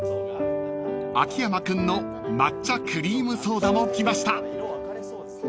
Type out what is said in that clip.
［秋山君のＭＡＴＣＨＡクリームソーダも来ました］